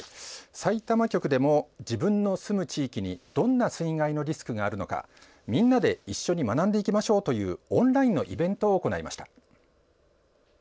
さいたま局でも自分の住む地域にどんな水害のリスクがあるのかみんなで一緒に学んでいきましょうというオンラインのイベントを行いました。